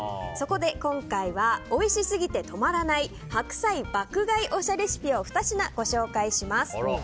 そこで今回はおいしすぎて止まらない白菜爆買いおしゃレシピを２品ご紹介します。